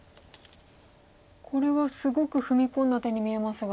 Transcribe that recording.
これはすごく踏み込んだ手に見えますが。